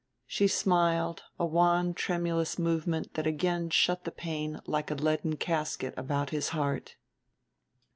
She smiled, a wan tremulous movement that again shut the pain like a leaden casket about his heart.